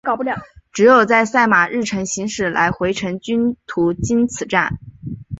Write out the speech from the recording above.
只在赛马日行驶来回程均途经此站。